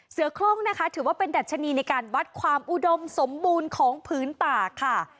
คล่องนะคะถือว่าเป็นดัชนีในการวัดความอุดมสมบูรณ์ของพื้นป่าค่ะ